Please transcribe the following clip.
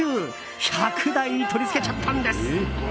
１００台取り付けちゃったんです。